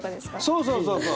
そうそうそうそう！